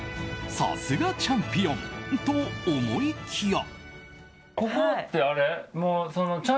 さすがチャンピオンと思いきや。